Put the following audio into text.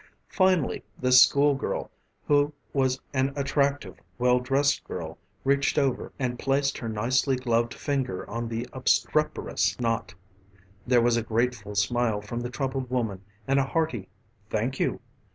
Finally this school girl, who was an attractive, well dressed girl, reached over and placed her nicely gloved finger on the obstreperous knot. There was a grateful smile from the troubled woman and a hearty "Thank you."